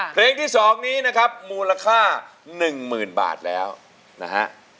เพลงที่๒นี้นะครับมูลค่า๑๐๐๐บาทแล้วนะฮะ